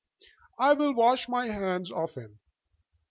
"I will wash my hands of him."